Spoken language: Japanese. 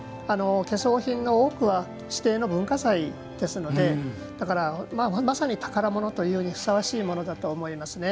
懸装品の多くは指定の文化財ですのでまさに宝物というのにふさわしいものだと思います。